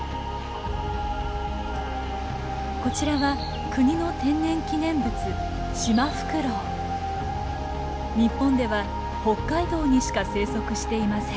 こちらは国の天然記念物日本では北海道にしか生息していません。